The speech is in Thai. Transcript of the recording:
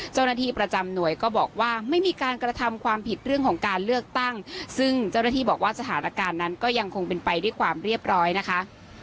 เจ้าหน้าที่ประจำหน่วยก็บอกว่าไม่มีการกระทำความผิดเรื่องของการเลือกตั้งซึ่งเจ้าหน้าที่บอกว่าสถานการณ์นั้นก็ยังคงเป็นไปด้วยความเรียบร้อยนะคะ